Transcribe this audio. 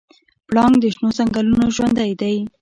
پړانګ د شنو ځنګلونو ژوندی دی.